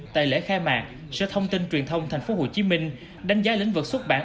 tại lễ khai mạc sở thông tin truyền thông tp hcm đánh giá lĩnh vực xuất bản